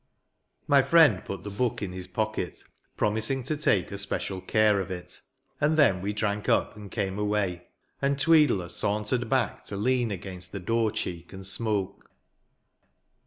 My friend put the book in his pocket, promising to take especial eare of it; and then we drank up, and came away; and Tweedler sauntered back to lean against the door cheek, and smoke.